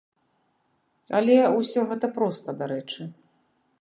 Але ўсё гэта проста дарэчы.